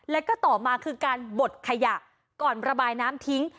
แล้วก็ต่อมาคือการบดขยะก่อนระบายน้ำทิ้ง